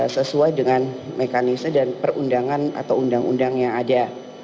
sesuai dengan mekanisme dan perundangan atau undang undang yang ada